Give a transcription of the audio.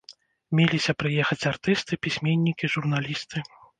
Меліся прыехаць артысты, пісьменнікі, журналісты.